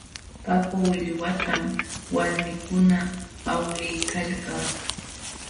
Paku willwatam walmikuna awliykalka.